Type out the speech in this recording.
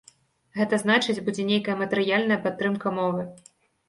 Гэта значыць, будзе нейкая матэрыяльная падтрымка мовы.